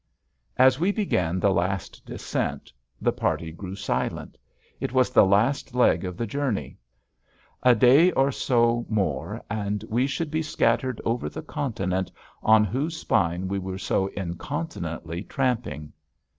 As we began the last descent, the party grew silent. It was the last leg of the journey. A day or so more and we should be scattered over the continent on whose spine we were so incontinently tramping.